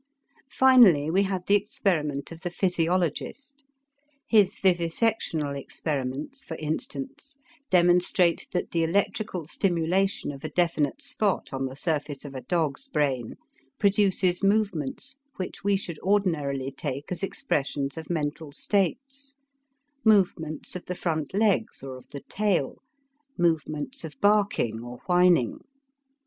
Finally we have the experiment of the physiologist. His vivisectional experiments, for instance, demonstrate that the electrical stimulation of a definite spot on the surface of a dog's brain produces movements which we should ordinarily take as expressions of mental states, movements of the front legs or of the tail, movements of barking or whining.